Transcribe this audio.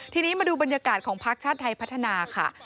ทีนี้มาดูบรรยากาศของพักชาติไทยพัฒนาค่ะ